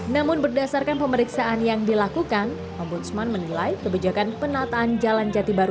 namun berdasarkan pemeriksaan yang dilakukan ombudsman menilai kebijakan penataan jalan jati baru